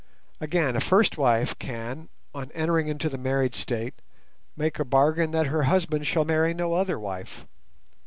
Again, a first wife can, on entering into the married state, make a bargain that her husband shall marry no other wife.